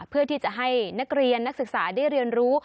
เพื่อที่จะให้นักเรียนนักศึกษาได้เรียนรู้